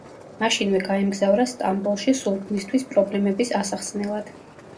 მაშინვე გაემგზავრა სტამბოლში სულთნისთვის პრობლემების ასახსნელად.